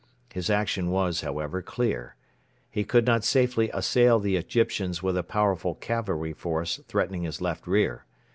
His action was, however, clear. He could not safely assail the Egyptians with a powerful cavalry force threatening his left rear.